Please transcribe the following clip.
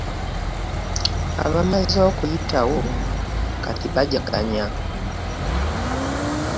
Abamaze okuyitawo kati bajaganya.